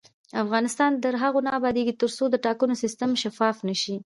افغانستان تر هغو نه ابادیږي، ترڅو د ټاکنو سیستم شفاف نشي.